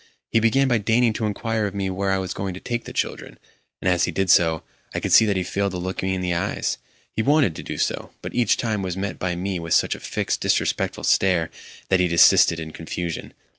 He began by deigning to inquire of me where I was going to take the children; and as he did so, I could see that he failed to look me in the eyes. He wanted to do so, but each time was met by me with such a fixed, disrespectful stare that he desisted in confusion.